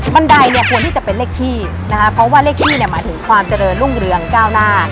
ันไดเนี่ยควรที่จะเป็นเลขที่นะคะเพราะว่าเลขที่เนี่ยหมายถึงความเจริญรุ่งเรืองก้าวหน้า